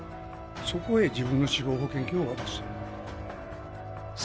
そこへ自分の死亡保険金を渡そうとした。